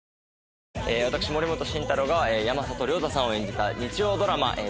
私森本慎太郎が山里亮太さんを演じた。